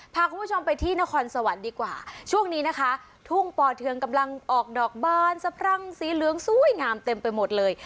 พาคุณผู้ชมไปที่นครสวรรค์ดีกว่าช่วงนี้นะคะทุ่งป่อเทืองกำลังออกดอกบานสะพรั่งสีเหลืองสวยงามเต็มไปหมดเลย